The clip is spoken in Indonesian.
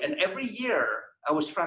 setiap tahun saya berjuang